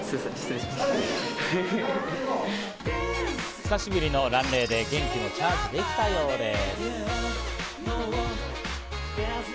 久しぶりのＲａｎＲｅｉで元気をチャージできたようです。